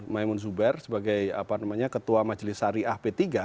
maimun zuber sebagai ketua majelisariah p tiga